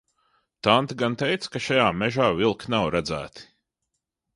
Tante gan teica, ka šajā mežā vilki nav redzēti.